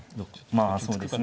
まあそうですね